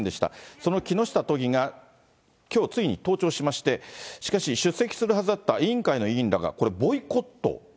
その木下都議がきょう、ついに登庁しまして、しかし、出席するはずだった委員会の委員らが、これ、ボイコット。